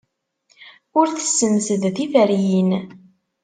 Ur tessemsed tiferyin.